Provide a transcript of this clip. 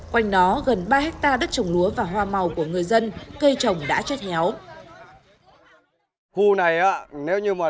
quanh nó gần ba hectare đất trồng lúa và hoa màu của người dân cây trồng đã chết héo